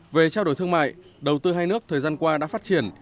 về trao đổi thương mại đầu tư hai nước thời gian qua đã phát triển